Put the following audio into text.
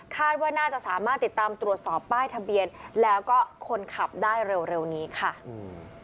ว่าน่าจะสามารถติดตามตรวจสอบป้ายทะเบียนแล้วก็คนขับได้เร็วเร็วนี้ค่ะอืม